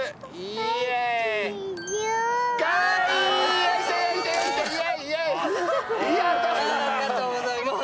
イエーイありがとうございます